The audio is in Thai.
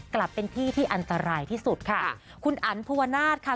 กลับเป็นที่ที่อันตรายที่สุดค่ะคุณอันภูวนาศค่ะ